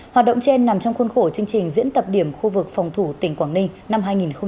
hoạt động trên nằm trong khuôn khổ chương trình diễn tập điểm khu vực phòng thủ tỉnh quảng ninh năm hai nghìn một mươi chín